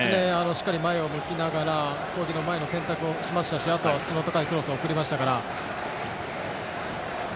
しっかり前を向きながら攻撃の前の選択をしましたしあとは、質の高いクロスを送りましたから。